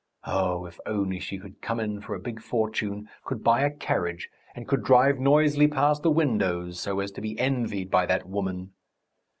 Oh, if only she could come in for a big fortune, could buy a carriage, and could drive noisily past the windows so as to be envied by that woman!